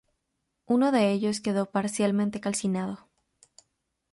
Uno de ellos quedó parcialmente calcinado.